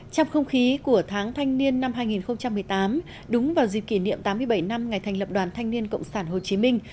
trong không khí của tháng thanh niên năm hai nghìn một mươi tám đúng vào dịp kỷ niệm tám mươi bảy năm ngày thành lập đoàn thanh niên cộng sản hồ chí minh